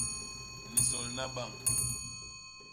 Ni solna bañ.